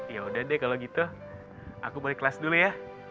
yaudah deh kalau gitu aku balik kelas dulu ya